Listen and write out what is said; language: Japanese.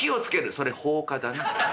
「それ放火だな。